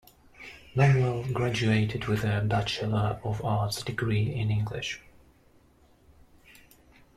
Longwell graduated with a Bachelor of Arts degree in English.